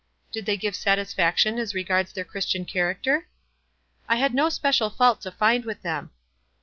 "Did they give satisfaction as regards their Christian character ?" "I had no special fault to find with them."